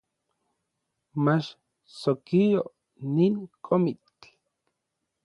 Mach sokio nin komitl